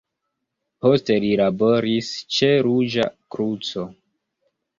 Poste li laboris ĉe Ruĝa Kruco.